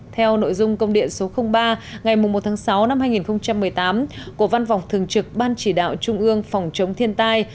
theo nội dung công điện số ba ngày một tháng sáu năm hai nghìn một mươi tám của văn phòng thường trực ban chỉ đạo trung ương phòng chống thiên tai